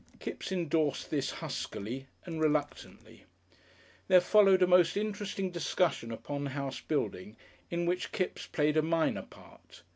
Kipps endorsed this huskily and reluctantly. There followed a most interesting discussion upon house building, in which Kipps played a minor part.